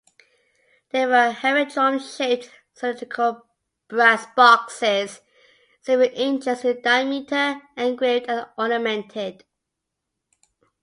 They were heavy drum-shaped cylindrical brass boxes several inches in diameter, engraved and ornamented.